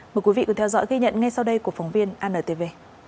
mời quý vị cùng theo dõi ghi nhận ngay sau đây của phóng viên antv